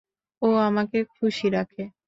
ও আমাকে খুশী রাখে!